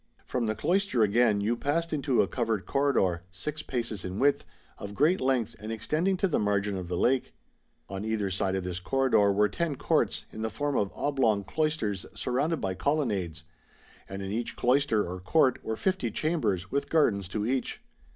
From the cloister again you passed into a covered corridor, six paces in width, of great length, and extending to the margin of the lake. On either side of this corridor were ten courts, in the form of oblong cloisters surrounded by colonnades; and in each cloister or court were fifty chambers with gardens to each.